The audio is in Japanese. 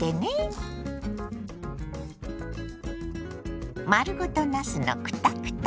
丸ごとなすのクタクタ煮。